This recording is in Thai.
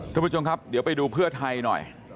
ท่านผู้ชมครับเดี๋ยวไปดูเพื่อไทยหน่อย